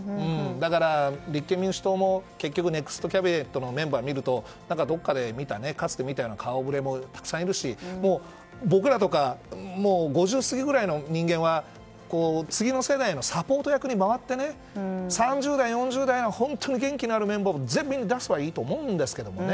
だから、立憲民主党も結局ネクストキャビネットのメンバーを見るとどこかで見た、かつて見たような顔ぶれもたくさんいるし僕らとか５０過ぎぐらいの人間は次の世代のサポート役に回って３０代、４０代の元気のあるメンバーを出せばいいと思うんですけどね。